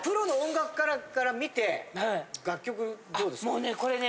もうねこれね。